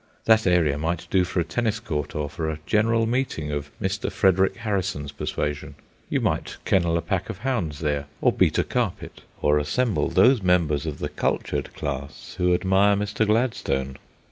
That area might do for a tennis court or for a general meeting of Mr. Frederic Harrison's persuasion. You might kennel a pack of hounds there, or beat a carpet, or assemble those members of the cultured class who admire Mr. Gladstone.